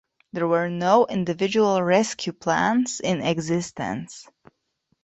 There were no individual rescue plans in existence.